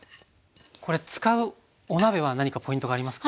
これ使うお鍋は何かポイントがありますか？